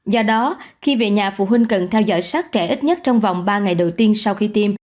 do đó khi về nhà phụ huynh cần theo dõi sát trẻ ít nhất trong vòng ba ngày đầu tiên sau khi tiêm